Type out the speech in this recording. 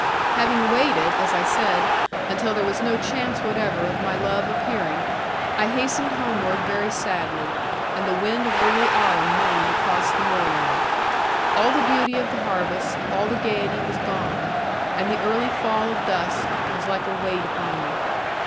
Having waited (as I said) until there was no chance whatever of my love appearing, I hastened homeward very sadly; and the wind of early autumn moaned across the moorland. All the beauty of the harvest, all the gaiety was gone, and the early fall of dusk was like a weight upon me.